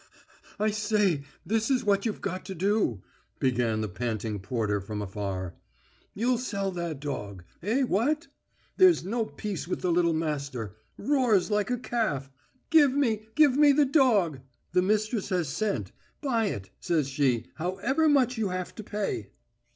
"I say, this is what you've got to do...," began the panting porter from afar. "You'll sell that dog. Eh, what? There's no peace with the little master. Roars like a calf: 'Give me, give me the dog....' The mistress has sent. 'Buy it,' says she, 'however much you have to pay.'"